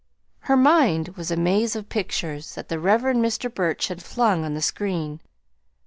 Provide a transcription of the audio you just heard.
Her mind was a maze of pictures that the Rev. Mr. Burch had flung on the screen.